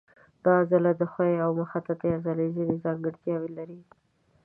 دا عضله د ښویې او مخططې عضلې ځینې ځانګړتیاوې لري.